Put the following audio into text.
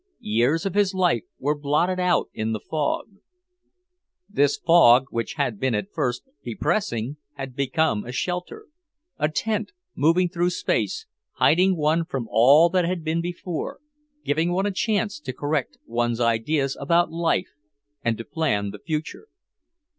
Years of his life were blotted out in the fog. This fog which had been at first depressing had become a shelter; a tent moving through space, hiding one from all that had been before, giving one a chance to correct one's ideas about life and to plan the future.